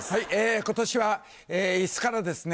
今年は椅子からですね